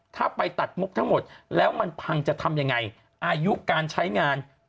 ถ้าไปตัดมุกทั้งหมดแล้วมันพังจะทำยังไงอายุการใช้งาน